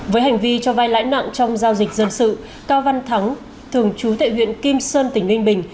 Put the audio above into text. với hành vi cho vai lãi nặng trong giao dịch dân sự cao văn thắng thường trú tại huyện kim sơn tỉnh ninh bình